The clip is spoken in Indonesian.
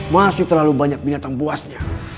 masih terlalu banyak binatang buasnya